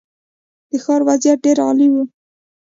د ښار وضعیت ډېر عالي و.